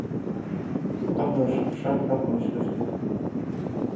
Абла шапшап ҳәа акәын ишлышьҭаз…